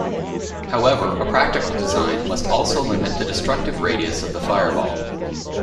However, a practical design must also limit the destructive radius of the fireball.